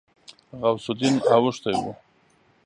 غوث الدين اوښتی و.